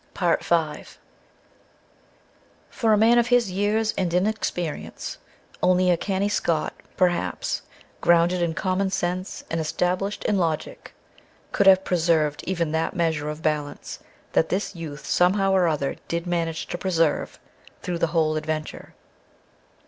V For a man of his years and inexperience, only a canny Scot, perhaps, grounded in common sense and established in logic, could have preserved even that measure of balance that this youth somehow or other did manage to preserve through the whole adventure.